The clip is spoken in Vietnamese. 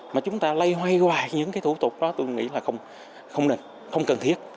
mà chúng ta lây hoay hoài những cái thủ tục đó tôi nghĩ là không nên không cần thiết